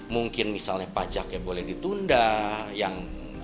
mungkin misalnya pajaknya boleh ditunda yang